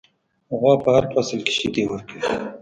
غوا په هر فصل کې شیدې ورکوي.